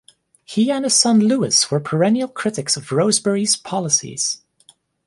He and his son Lewis were perennial critics of Rosebery's policies.